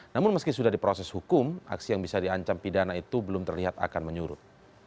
namun meski sudah diproses hukum aksi yang bisa diancam pidana itu belum terlihat akan menyurut